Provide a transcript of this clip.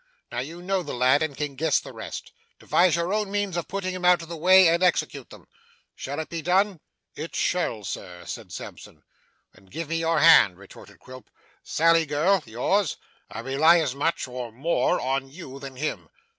Now, you know the lad, and can guess the rest. Devise your own means of putting him out of my way, and execute them. Shall it be done?' 'It shall, sir,' said Sampson. 'Then give me your hand,' retorted Quilp. 'Sally, girl, yours. I rely as much, or more, on you than him.